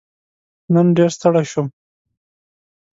نن ډېر ستړی شوم.